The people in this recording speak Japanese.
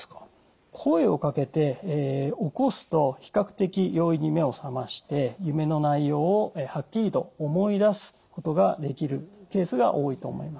声をかけて起こすと比較的容易に目を覚まして夢の内容をはっきりと思い出すことができるケースが多いと思います。